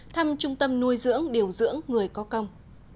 thăm trung tâm nuôi dưỡng điều dưỡng người có công